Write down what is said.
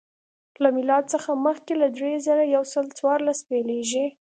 له میلاد څخه مخکې له درې زره یو سل څوارلس پیلېږي